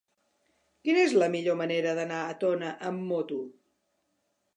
Quina és la millor manera d'anar a Tona amb moto?